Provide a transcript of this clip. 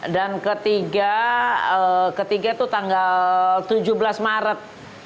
dan ketiga ketiga itu tanggal tujuh belas maret